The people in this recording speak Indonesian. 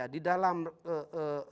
di dalam pertemuan pertemuan dan relasi